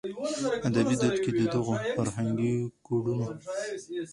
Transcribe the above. ادبي دود کې د دغو فرهنګي کوډونو